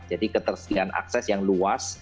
jadi ketersediaan akses yang luas